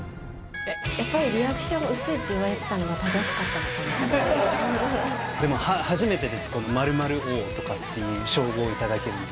やっぱりリアクション薄いっていわれたのが、でも、初めてです、この○○王とかっていう、称号を頂けるのは。